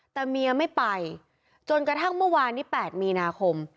แต่เมียไม่ไปจนกระทั่งเมื่อวานนี้๘มีนาคม